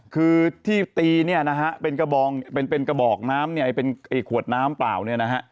คือที่ตีเนี่ยนะฮะเป็นกระบองเป็นกระบอกน้ำเนี่ยเป็นไอ้ขวดน้ำเปล่าเนี่ยนะฮะ